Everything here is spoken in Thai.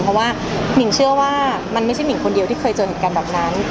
เพราะว่าหมิ่งเชื่อว่ามันไม่ใช่หิ่งคนเดียวที่เคยเจอเหตุการณ์แบบนั้น